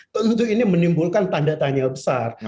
tentu ini menimbulkan tanda tanya besar